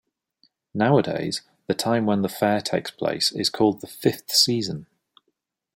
Nowadays the time when the fair takes place is called the "fifth season".